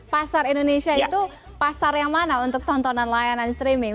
pasar indonesia itu pasar yang mana untuk tontonan layanan streaming